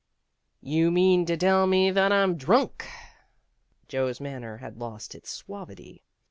"You mean to tell me that I'm drunk." Joe's manner had lost its suavity.